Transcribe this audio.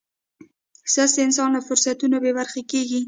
سست انسان له فرصتونو بې برخې کېږي.